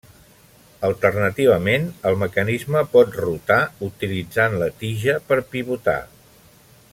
Alternativament, el mecanisme pot rotar utilitzant la tija per pivotar.